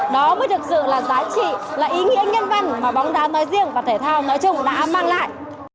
đó mới thực sự là giá trị là ý nghĩa nhân văn mà bóng đá nói riêng và thể thao nói chung đã mang lại